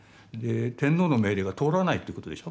天皇の命令が通らないということでしょ